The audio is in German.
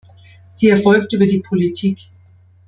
Sie erfolgt über die Politik.